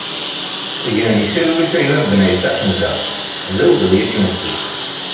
Gen di talwit a gma Benaïssa Ḥamza, d awezɣi ad k-nettu!